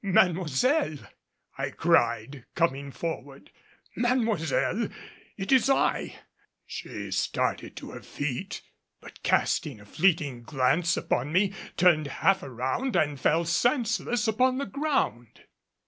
"Mademoiselle!" I cried, coming forward, "Mademoiselle, it is I!" She started to her feet; but casting a fleeting glance upon me, turned half around and fell senseless upon the ground.